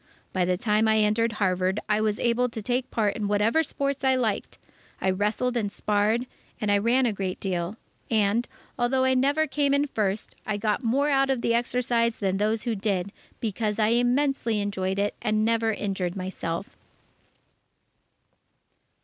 By the time I entered Harvard, I was able to take part in whatever sports I liked. I wrestled and sparred, and I ran a great deal, and, although I never came in first, I got more out of the exercise than those who did, because I immensely enjoyed it and never injured myself.